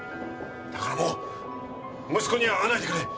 だからもう息子には会わないでくれ。